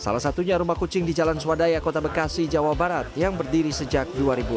salah satunya rumah kucing di jalan swadaya kota bekasi jawa barat yang berdiri sejak dua ribu dua belas